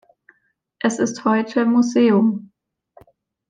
Es ist heute Museum.